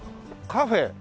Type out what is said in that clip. カフェ？